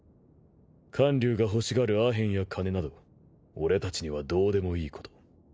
観柳が欲しがるアヘンや金など俺たちにはどうでもいいこと。